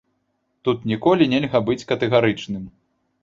Тут ніколі нельга быць катэгарычным.